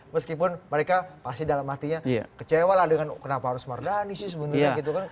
meskipun mereka pasti dalam hatinya kecewa lah dengan kenapa harus mardani sih sebenarnya gitu kan